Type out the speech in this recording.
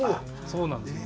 そうなんです。